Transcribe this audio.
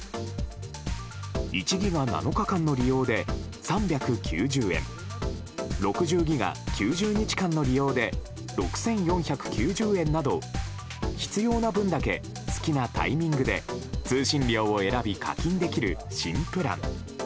１ギガ７日間の利用で３９０円６０ギガ９０日間の利用で６４９０円など必要な分だけ好きなタイミングで通信料を選び課金できる新プラン。